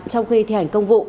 trong khi thi hành công vụ